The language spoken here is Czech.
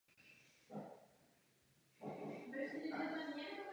Pokud ne, kdy máte v úmyslu ji podepsat?